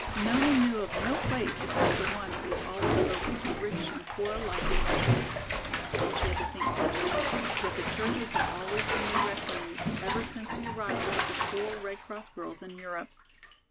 Nona knew of no place except the one that was always open to rich and poor alike in Russia. And she had to think quickly. Yet the churches had always been their refuge ever since the arrival of the four Red Cross girls in Europe.